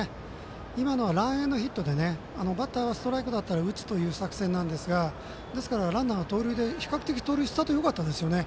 今のはランエンドヒットでバッターはストライクだったら打つという作戦なんですがですからランナーは盗塁で比較的盗塁よかったですよね。